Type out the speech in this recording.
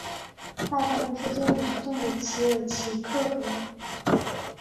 在他们之间流动的奇尔奇克河。